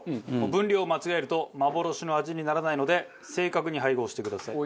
分量を間違えると幻の味にならないので正確に配合してください。